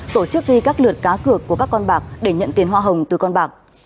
tổ chức ghi các lượt cá cược của các con bạc để nhận tiền hoa hồng từ con bạc